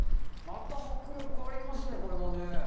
また迫力ありますね、これもね。